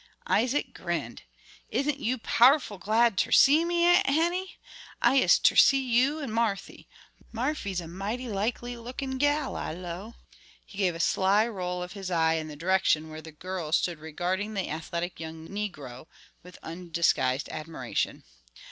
Isaac grinned. "Isn't you pow'rful glad ter see me, Aunt Henny? I is ter see you an' Marthy. Marfy's a mighty likely lookin' gal, I 'low." He gave a sly roll of his eye in the direction where the girl stood regarding the athletic young Negro with undisguised admiration.